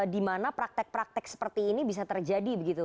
di mana praktek praktek seperti ini bisa terjadi begitu